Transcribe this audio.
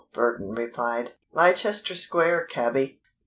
Burton replied. "Leicester Square, cabby!"